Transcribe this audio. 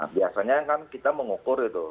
biasanya kan kita mengukur itu